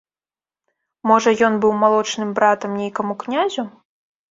Можа, ён быў малочным братам нейкаму князю?